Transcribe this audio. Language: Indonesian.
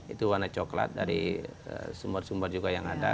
itu warna coklat dari sumber sumber juga yang ada